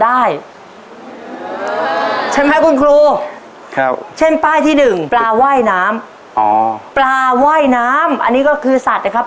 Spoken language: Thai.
อันนี้ก็คือสัตว์นะครับ